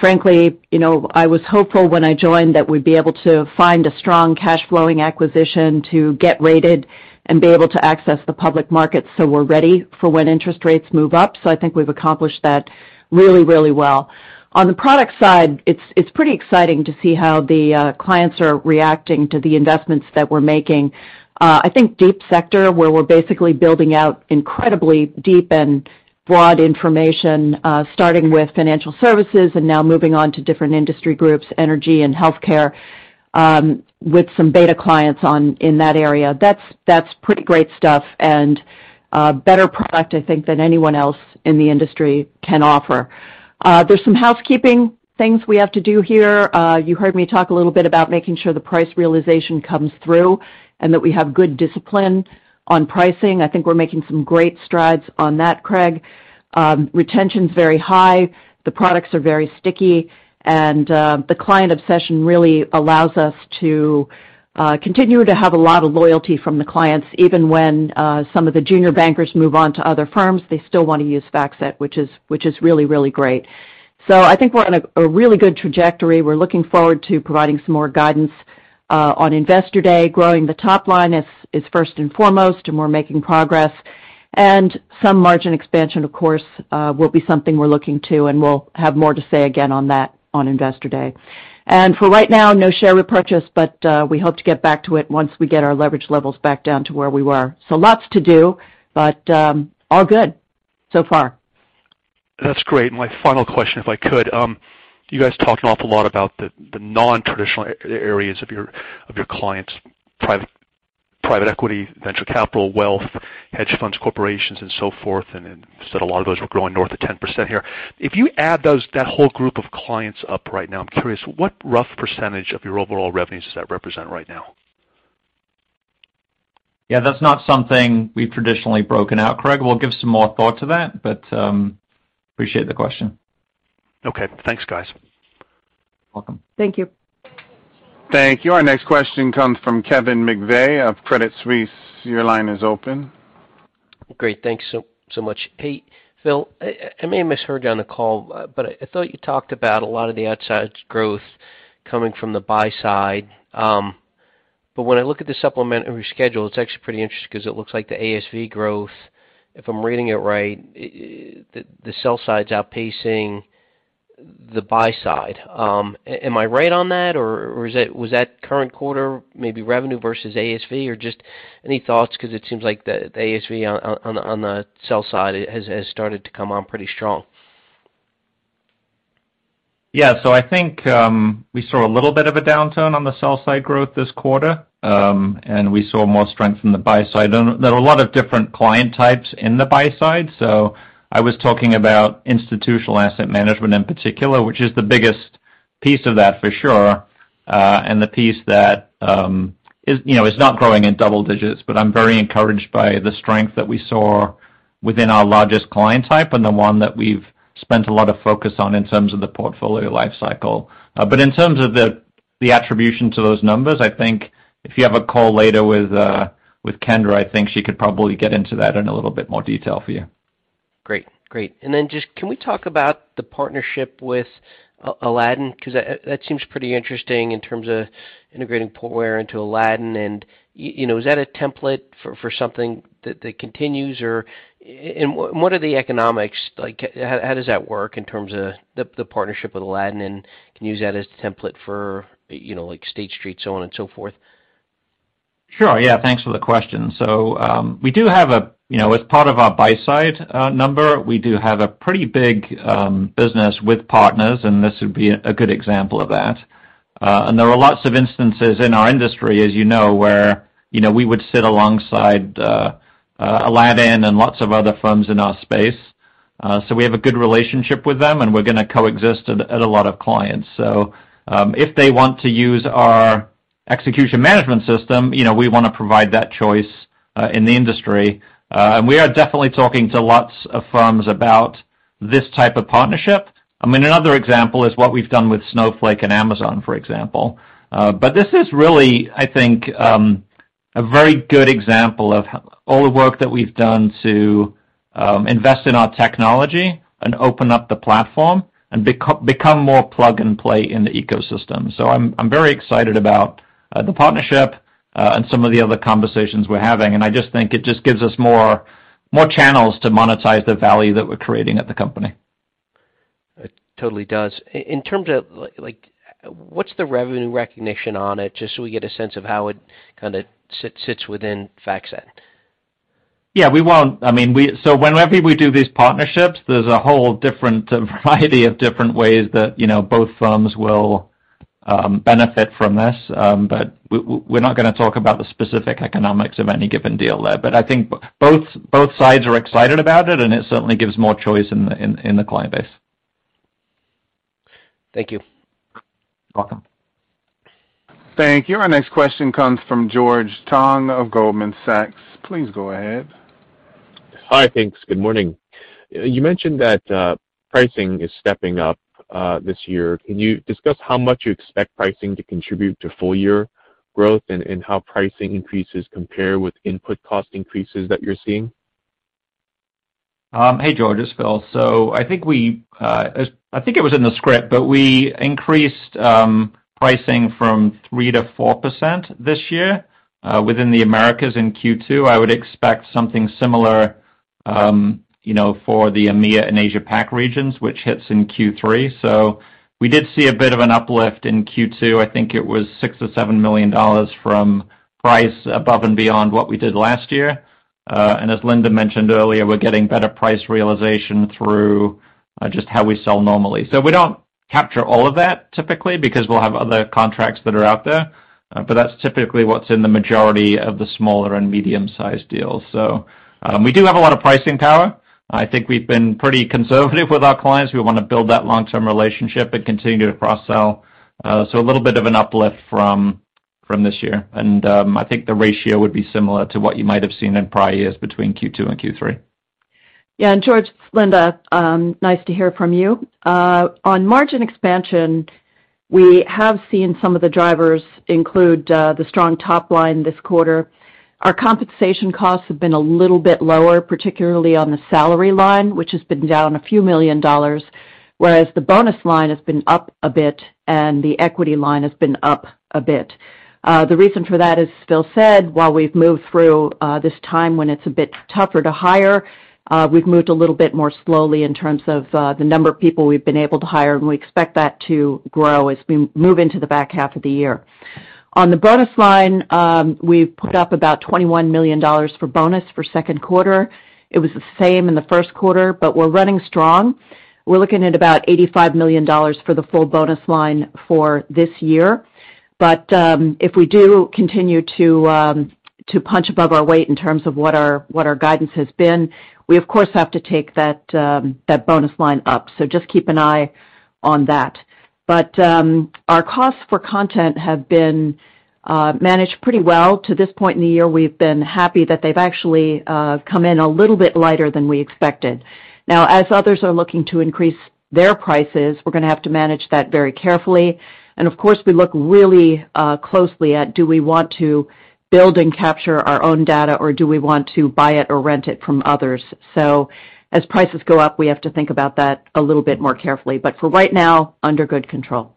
Frankly, you know, I was hopeful when I joined that we'd be able to find a strong cash flowing acquisition to get rated and be able to access the public market, so we're ready for when interest rates move up. I think we've accomplished that really well. On the product side, it's pretty exciting to see how the clients are reacting to the investments that we're making. I think Deep Sector, where we're basically building out incredibly deep and broad information, starting with financial services and now moving on to different industry groups, energy and healthcare, with some beta clients in that area. That's pretty great stuff and better product, I think, than anyone else in the industry can offer. There's some housekeeping things we have to do here. You heard me talk a little bit about making sure the price realization comes through and that we have good discipline on pricing. I think we're making some great strides on that, Craig. Retention's very high, the products are very sticky, and the client obsession really allows us to continue to have a lot of loyalty from the clients. Even when some of the junior bankers move on to other firms, they still wanna use FactSet, which is really great. I think we're on a really good trajectory. We're looking forward to providing some more guidance on Investor Day. Growing the top line is first and foremost, and we're making progress. Some margin expansion, of course, will be something we're looking to, and we'll have more to say again on that on Investor Day. For right now, no share repurchase, but we hope to get back to it once we get our leverage levels back down to where we were. Lots to do, but all good so far. That's great. My final question, if I could, you guys talk an awful lot about the nontraditional areas of your clients, private equity, venture capital, wealth, hedge funds, corporations and so forth, and you said a lot of those were growing north of 10% here. If you add that whole group of clients up right now, I'm curious, what rough percentage of your overall revenues does that represent right now? Yeah, that's not something we've traditionally broken out, Craig. We'll give some more thought to that, but appreciate the question. Okay. Thanks, guys. Welcome. Thank you. Thank you. Our next question comes from Kevin McVeigh of Credit Suisse. Your line is open. Great. Thanks so much. Hey, Phil. I may have misheard on the call, but I thought you talked about a lot of the outsized growth coming from the buy side. When I look at the supplement and your schedule, it's actually pretty interesting because it looks like the ASV growth, if I'm reading it right, the sell side's outpacing the buy side. Am I right on that, or was that current quarter maybe revenue versus ASV? Or just any thoughts 'cause it seems like the ASV on the sell side has started to come on pretty strong. Yeah. I think we saw a little bit of a downturn on the sell side growth this quarter, and we saw more strength in the buy side. There are a lot of different client types in the buy side. I was talking about institutional asset management in particular, which is the biggest piece of that for sure, and the piece that is, you know, not growing in double digits, but I'm very encouraged by the strength that we saw within our largest client type and the one that we've spent a lot of focus on in terms of the portfolio life cycle. In terms of the attribution to those numbers, I think if you have a call later with Kendra, I think she could probably get into that in a little bit more detail for you. Great. Can we talk about the partnership with Aladdin? 'Cause that seems pretty interesting in terms of integrating Portware into Aladdin. You know, is that a template for something that continues? What are the economics like? How does that work in terms of the partnership with Aladdin, and can you use that as a template for, you know, like State Street, so on and so forth? Sure. Yeah. Thanks for the question. We do have a. You know, as part of our buy side number, we do have a pretty big business with partners, and this would be a good example of that. There are lots of instances in our industry, as you know, where, you know, we would sit alongside Aladdin and lots of other firms in our space. We have a good relationship with them, and we're gonna coexist at a lot of clients. If they want to use our execution management system, you know, we wanna provide that choice in the industry. We are definitely talking to lots of firms about this type of partnership. I mean, another example is what we've done with Snowflake and Amazon, for example. This is really, I think, a very good example of all the work that we've done to invest in our technology and open up the platform and become more plug and play in the ecosystem. I'm very excited about the partnership and some of the other conversations we're having, and I just think it just gives us more channels to monetize the value that we're creating at the company. It totally does. In terms of like, what's the revenue recognition on it, just so we get a sense of how it kinda sits within FactSet? Whenever we do these partnerships, there's a whole different variety of different ways that, you know, both firms will benefit from this. We're not gonna talk about the specific economics of any given deal there. I think both sides are excited about it, and it certainly gives more choice in the client base. Thank you. Welcome. Thank you. Our next question comes from George Tong of Goldman Sachs. Please go ahead. Hi. Thanks. Good morning. You mentioned that pricing is stepping up this year. Can you discuss how much you expect pricing to contribute to full year growth and how pricing increases compare with input cost increases that you're seeing? Hey, George, it's Phil. I think we I think it was in the script, but we increased pricing from 3%-4% this year within the Americas in Q2. I would expect something similar, you know, for the EMEA and Asia Pac regions, which hits in Q3. We did see a bit of an uplift in Q2. I think it was $6 million-$7 million from price above and beyond what we did last year. As Linda mentioned earlier, we're getting better price realization through just how we sell normally. We don't capture all of that typically because we'll have other contracts that are out there, but that's typically what's in the majority of the smaller and medium-sized deals. We do have a lot of pricing power. I think we've been pretty conservative with our clients. We wanna build that long-term relationship and continue to cross-sell. A little bit of an uplift from this year. I think the ratio would be similar to what you might have seen in prior years between Q2 and Q3. Yeah. George, it's Linda, nice to hear from you. On margin expansion, we have seen some of the drivers include the strong top line this quarter. Our compensation costs have been a little bit lower, particularly on the salary line, which has been down a few million dollars, whereas the bonus line has been up a bit and the equity line has been up a bit. The reason for that, as Phil said, while we've moved through this time when it's a bit tougher to hire, we've moved a little bit more slowly in terms of the number of people we've been able to hire, and we expect that to grow as we move into the back half of the year. On the bonus line, we've put up about $21 million for bonus for second quarter. It was the same in the first quarter, but we're running strong. We're looking at about $85 million for the full bonus line for this year. If we do continue to punch above our weight in terms of what our guidance has been, we of course have to take that bonus line up. Just keep an eye on that. Our costs for content have been managed pretty well. To this point in the year, we've been happy that they've actually come in a little bit lighter than we expected. Now, as others are looking to increase their prices, we're gonna have to manage that very carefully. Of course, we look really closely at do we want to build and capture our own data, or do we want to buy it or rent it from others? As prices go up, we have to think about that a little bit more carefully. For right now, under good control.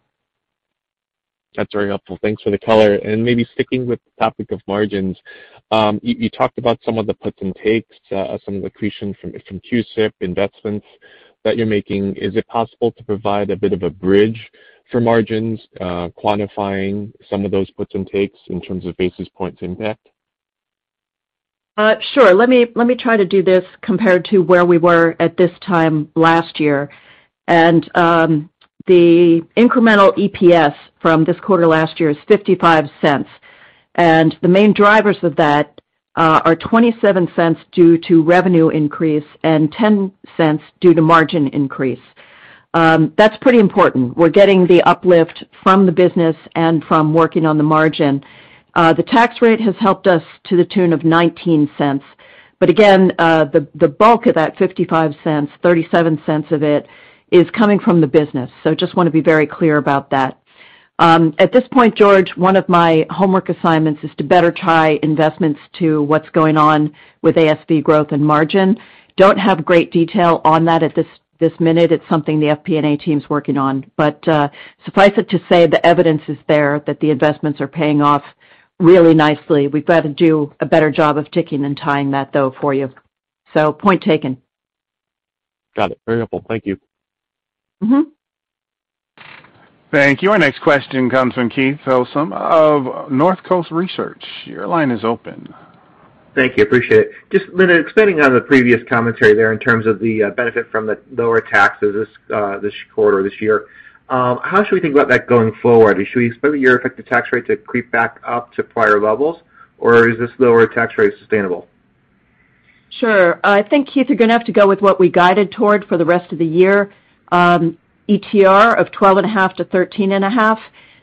That's very helpful. Thanks for the color. Maybe sticking with the topic of margins, you talked about some of the puts and takes, some accretion from CUSIP investments that you're making. Is it possible to provide a bit of a bridge for margins, quantifying some of those puts and takes in terms of basis points impact? Sure. Let me try to do this compared to where we were at this time last year. The incremental EPS from this quarter last year is $0.55. The main drivers of that are $0.27 due to revenue increase and $0.10 due to margin increase. That's pretty important. We're getting the uplift from the business and from working on the margin. The tax rate has helped us to the tune of $0.19. Again, the bulk of that $0.55, $0.37 of it is coming from the business. Just wanna be very clear about that. At this point, George, one of my homework assignments is to better tie investments to what's going on with ASV growth and margin. Don't have great detail on that at this minute. It's something the FP&A team's working on. Suffice it to say, the evidence is there that the investments are paying off really nicely. We've got to do a better job of ticking and tying that, though, for you. Point taken. Got it. Very helpful. Thank you. Mm-hmm. Thank you. Our next question comes from Keith Housum of Northcoast Research. Your line is open. Thank you. Appreciate it. Just, Linda, expanding on the previous commentary there in terms of the benefit from the lower taxes this quarter or this year. How should we think about that going forward? Should we expect your effective tax rate to creep back up to prior levels, or is this lower tax rate sustainable? Sure. I think, Keith, you're gonna have to go with what we guided toward for the rest of the year, ETR of 12.5%-13.5%.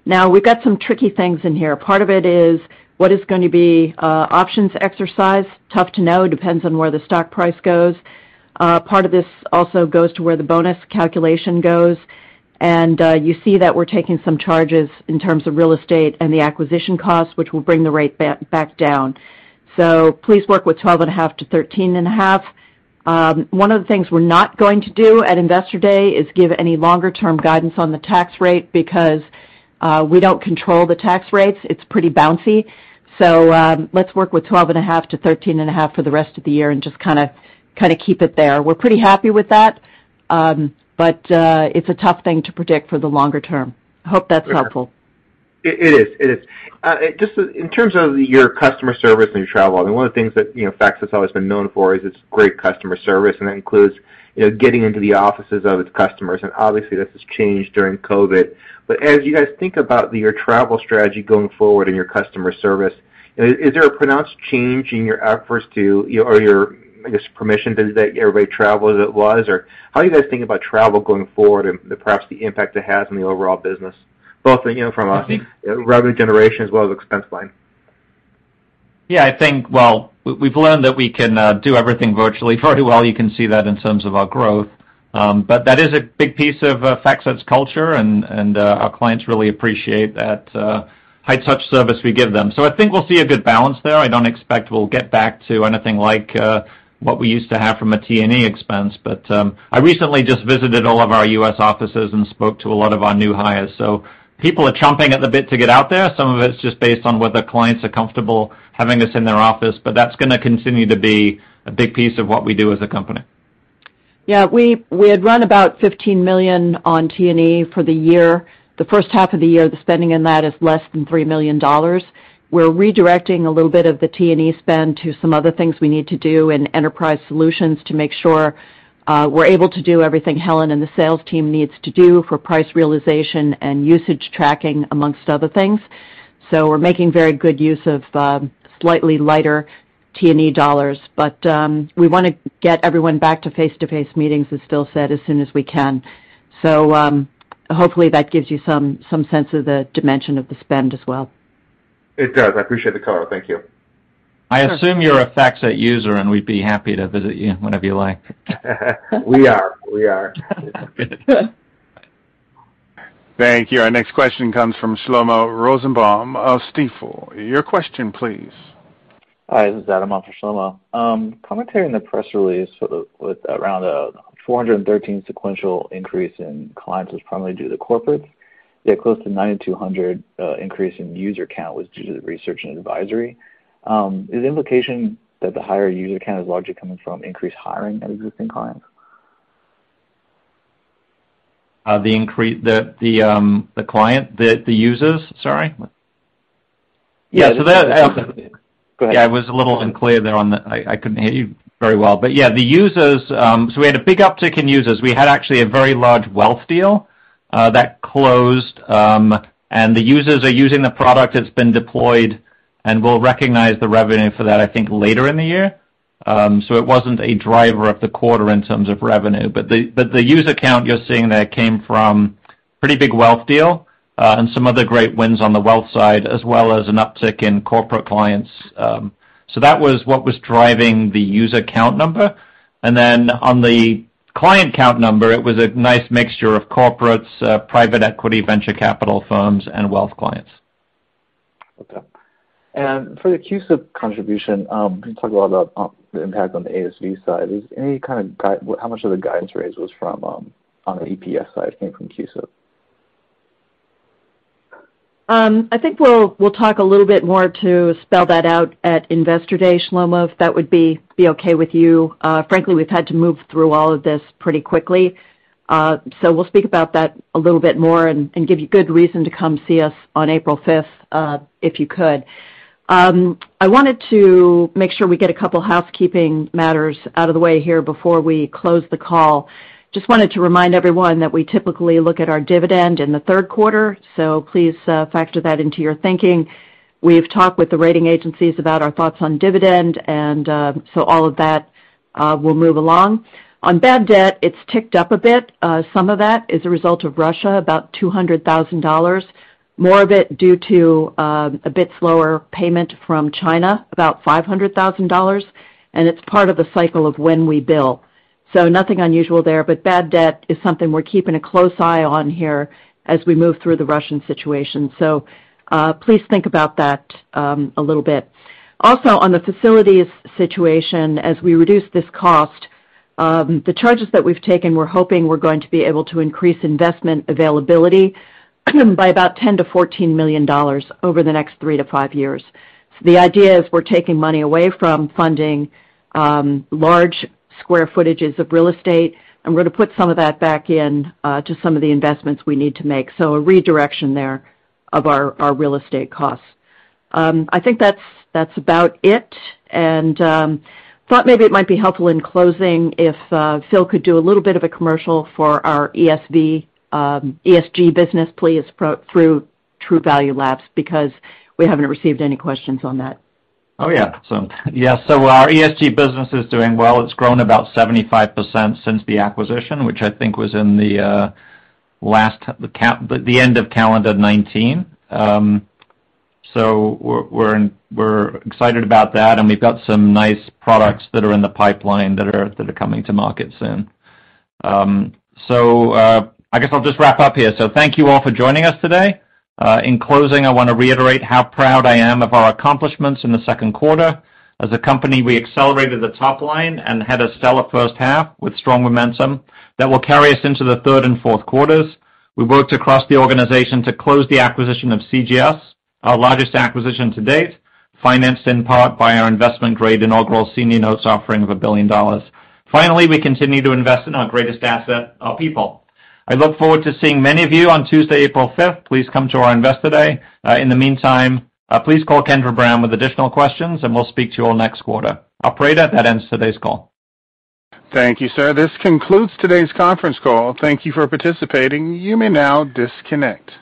Now, we've got some tricky things in here. Part of it is what is gonna be, options exercised. Tough to know. Depends on where the stock price goes. Part of this also goes to where the bonus calculation goes. And, you see that we're taking some charges in terms of real estate and the acquisition costs, which will bring the rate back down. So please work with 12.5%-13.5%. One of the things we're not going to do at Investor Day is give any longer term guidance on the tax rate because, we don't control the tax rates. It's pretty bouncy. Let's work with 12.5-13.5 for the rest of the year and just kinda keep it there. We're pretty happy with that, but it's a tough thing to predict for the longer term. Hope that's helpful. It is. Just in terms of your customer service and your travel, I mean, one of the things that, you know, FactSet's always been known for is its great customer service, and that includes, you know, getting into the offices of its customers. And obviously, this has changed during COVID. As you guys think about your travel strategy going forward and your customer service, is there a pronounced change in your efforts to or your, I guess, permission to everybody travel as it was? Or how are you guys thinking about travel going forward and perhaps the impact it has on the overall business, both, you know, from a revenue generation as well as expense line? Yeah, I think, well, we've learned that we can do everything virtually very well. You can see that in terms of our growth. That is a big piece of FactSet's culture, and our clients really appreciate that high touch service we give them. I think we'll see a good balance there. I don't expect we'll get back to anything like what we used to have from a T&E expense. I recently just visited all of our U.S. offices and spoke to a lot of our new hires, so people are chomping at the bit to get out there. Some of it's just based on whether clients are comfortable having us in their office, but that's gonna continue to be a big piece of what we do as a company. Yeah, we had run about $15 million on T&E for the year. The first half of the year, the spending in that is less than $3 million. We're redirecting a little bit of the T&E spend to some other things we need to do in enterprise solutions to make sure we're able to do everything Helen and the sales team needs to do for price realization and usage tracking, amongst other things. We're making very good use of slightly lighter T&E dollars. But we wanna get everyone back to face-to-face meetings, as Phil said, as soon as we can. Hopefully, that gives you some sense of the dimension of the spend as well. It does. I appreciate the color. Thank you. I assume you're a FactSet user, and we'd be happy to visit you whenever you like. We are. Thank you. Our next question comes from Shlomo Rosenbaum of Stifel. Your question please. Hi, this is Adam on for Shlomo. Commentary in the press release with around 413 sequential increase in clients was primarily due to corporates, yet close to 902 increase in user count was due to the research and advisory. Is the implication that the higher user count is largely coming from increased hiring at existing clients? The client, the users? Sorry. Yeah. So that- Go ahead. Yeah, I was a little unclear there on the I couldn't hear you very well. Yeah, the users, we had a big uptick in users. We had actually a very large wealth deal that closed, and the users are using the product that's been deployed, and we'll recognize the revenue for that, I think, later in the year. It wasn't a driver of the quarter in terms of revenue. The user count you're seeing there came from pretty big wealth deal, and some other great wins on the wealth side, as well as an uptick in corporate clients. That was what was driving the user count number. On the client count number, it was a nice mixture of corporates, private equity, venture capital firms, and wealth clients. Okay. For the CUSIP contribution, you can talk a lot about the impact on the ASV side. How much of the guidance raise on the EPS side came from CUSIP? I think we'll talk a little bit more to spell that out at Investor Day, Shlomo, if that would be okay with you. Frankly, we've had to move through all of this pretty quickly. We'll speak about that a little bit more and give you good reason to come see us on April fifth, if you could. I wanted to make sure we get a couple housekeeping matters out of the way here before we close the call. Just wanted to remind everyone that we typically look at our dividend in the third quarter, so please factor that into your thinking. We've talked with the rating agencies about our thoughts on dividend and so all of that will move along. On bad debt, it's ticked up a bit. Some of that is a result of Russia, about $200,000. More of it due to a bit slower payment from China, about $500,000, and it's part of the cycle of when we bill. Nothing unusual there, but bad debt is something we're keeping a close eye on here as we move through the Russian situation. Please think about that a little bit. Also, on the facilities situation, as we reduce this cost, the charges that we've taken, we're hoping we're going to be able to increase investment availability by about $10 million-$14 million over the next 3-5 years. The idea is we're taking money away from funding large square footages of real estate, and we're gonna put some of that back in to some of the investments we need to make. A redirection there of our real estate costs. I think that's about it. Thought maybe it might be helpful in closing if Phil could do a little bit of a commercial for our ESG business, please, through Truvalue Labs, because we haven't received any questions on that. Our ESG business is doing well. It's grown about 75% since the acquisition, which I think was in the end of calendar 2019. We're excited about that, and we've got some nice products that are in the pipeline that are coming to market soon. I guess I'll just wrap up here. Thank you all for joining us today. In closing, I wanna reiterate how proud I am of our accomplishments in the second quarter. As a company, we accelerated the top line and had a stellar first half with strong momentum that will carry us into the third and fourth quarters. We worked across the organization to close the acquisition of CGS, our largest acquisition to date, financed in part by our investment-grade inaugural senior notes offering of $1 billion. Finally, we continue to invest in our greatest asset, our people. I look forward to seeing many of you on Tuesday, April 5. Please come to our Investor Day. In the meantime, please call Kendra Brown with additional questions, and we'll speak to you all next quarter. Operator, that ends today's call. Thank you, sir. This concludes today's conference call. Thank you for participating. You may now disconnect.